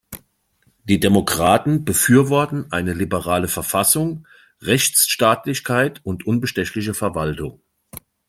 Die Demokraten befürworten eine liberale Verfassung, Rechtsstaatlichkeit und unbestechliche Verwaltung.